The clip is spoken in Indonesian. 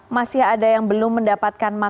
masih ada yang belum mendapatkan manfaat